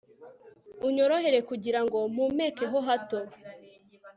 unyorohere kugira ngo mpumeke ho hato